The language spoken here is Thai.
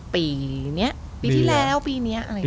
ปีเนี้ยปีที่แล้วปีเนี้ย